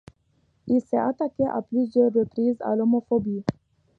Il s'est attaqué à plusieurs reprises à l'homophobie.